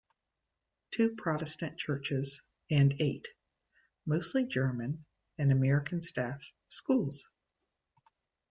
Two Protestant churches and eight, mostly German- and American-staffed, schools.